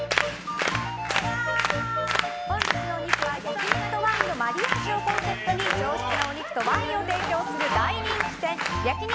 本日のお肉は焼き肉とワインのマリアージュをコンセプトに上質なお肉とワインを提供する大人気店焼肉